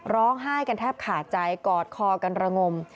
ร้องไห้กันแทบขาดใจกอดคอกันระงม